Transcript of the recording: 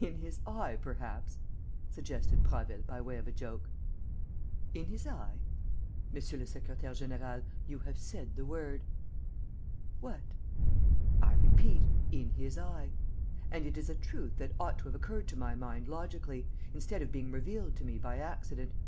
"In his eye, perhaps?" suggested Prasville, by way of a joke.... "In his eye? Monsieur le secrétaire; général, you have said the word." "What?" "I repeat, in his eye. And it is a truth that ought to have occurred to my mind logically, instead of being revealed to me by accident.